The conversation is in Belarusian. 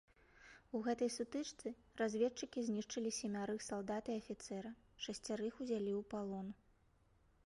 У гэтай сутычцы разведчыкі знішчылі семярых салдат і афіцэра, шасцярых ўзялі ў палон.